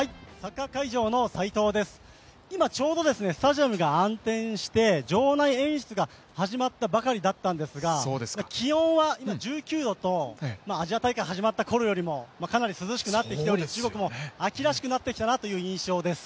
今ちょうどスタジアムが暗転して場内演出が始まったばかりだったんですが気温は１９度と、アジア大会始まったころよりもかなり涼しくなってきており、中国も秋らしくなってきたなという印象です。